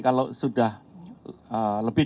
kalau sudah lebih